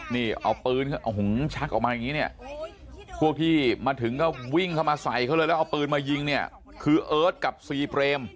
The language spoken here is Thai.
นี่เอาปืนชักออกมาอย่างนี้เนี่ยพวกที่มาถึงก็วิ่งเข้ามาใส่เขาเลยแล้วเอาปืนมายิงเนี่ยคือเอิร์ทกับซีเปรม